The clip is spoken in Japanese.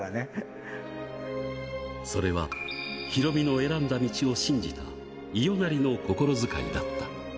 それは、ヒロミの選んだ道を信じた伊代なりの心遣いだった。